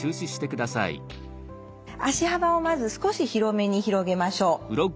足幅をまず少し広めに広げましょう。